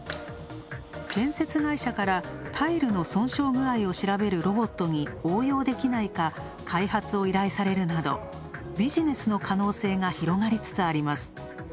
建設会社からタイルの損傷具合を調べるロボットに応用できないか開発を依頼されるなどビジネスの可能性が広がりつつあります。